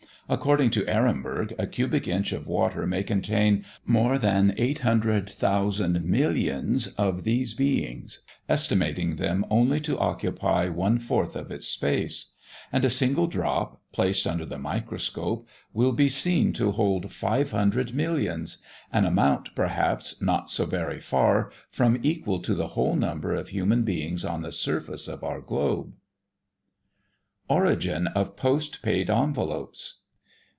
According to Ehrenberg, a cubic inch of water may contain more than 800,000 millions of these beings, estimating them only to occupy one fourth of its space; and a single drop, placed under the microscope, will be seen to hold 500 millions; an amount, perhaps, not so very far from equal to the whole number of human beings on the surface of our globe! ORIGIN OF POST PAID ENVELOPES.